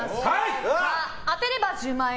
当てれば１０万円！